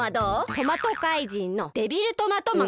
トマトかいじんのデビルトマトマン。